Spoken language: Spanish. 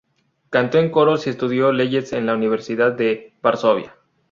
Cantó en coros y estudió leyes en la Universidad de Varsovia.